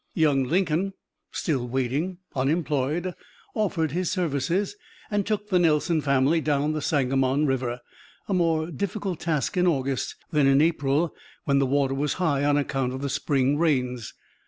Young Lincoln, still waiting, unemployed, offered his services and took the Nelson family down the Sangamon River a more difficult task in August than in April, when the water was high on account of the spring rains.